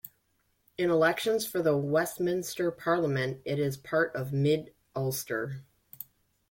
In elections for the Westminster Parliament it is part of Mid Ulster.